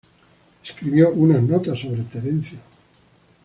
Escribió unas notas sobre Terencio.